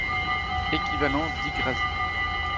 Equivalent d'Yggdrasil.